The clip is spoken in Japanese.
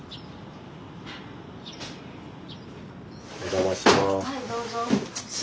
お邪魔します。